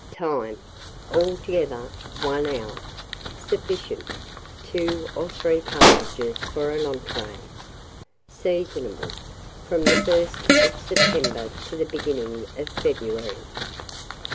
Time. Altogether 1 hour. Sufficient. 2 or 3 partridges for an entrée. Seasonable from the 1st of September to the beginning of February.